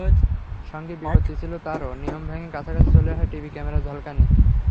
সঙ্গে বিপত্তি ছিল আরও, নিয়ম ভেঙে কাছাকাছি চলে আসা টিভি ক্যামেরার ঝলকানি।